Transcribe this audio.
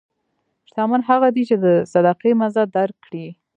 شتمن هغه دی چې د صدقې مزه درک کړي.